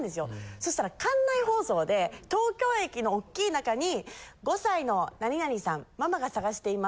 そしたら館内放送で東京駅の大きい中に「５歳の何々さんママが捜しています。